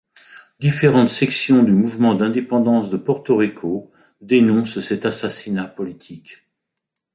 Différentes sections du mouvement d'indépendance de Porto Rico dénoncent cet assassinat politique.